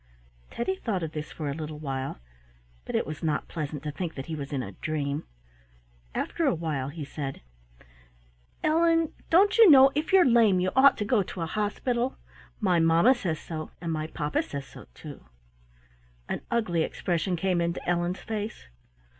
Teddy thought of this for a little while, but it was not pleasant to think that he was in a dream. After a while he said: "Ellen, don't you know, if you're lame you ought to go to a hospital? My mamma says so, and my papa says so too." An ugly expression came into Ellen's face.